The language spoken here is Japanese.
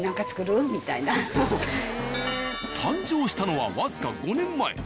誕生したのは僅か５年前。